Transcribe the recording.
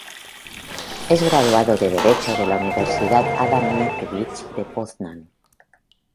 Es graduado de derecho de la Universidad Adam Mickiewicz de Poznań.